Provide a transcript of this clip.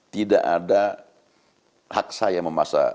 tidak ada hak saya memaksa